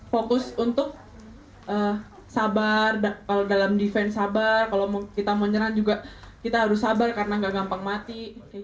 fokus untuk sabar kalau dalam defense sabar kalau kita mau nyerang juga kita harus sabar karena nggak gampang mati